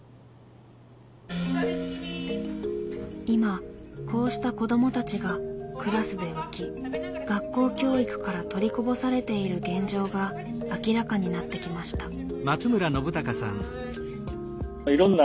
今こうした子どもたちがクラスで浮き学校教育から取りこぼされている現状が明らかになってきました。